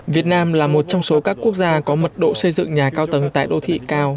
việt nam là một trong số các quốc gia có mật độ xây dựng nhà cao tầng tại đô thị cao